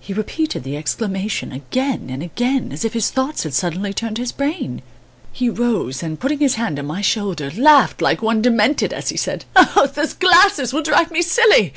He repeated the exclamation again and again, as if his thoughts had suddenly turned his brain. He rose and, putting his hand on my shoulder, laughed like one demented as he said: "Those glasses will drive me silly!